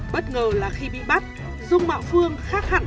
bất ngờ là khi bị bắt dung mạo phương khác hẳn